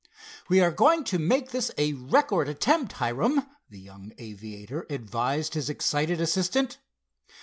"We are going to make this a record attempt, Hiram," the young aviator advised his excited assistant.